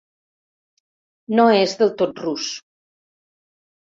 No és del tot rus.